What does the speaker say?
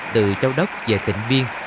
từ châu đốc về tỉnh biên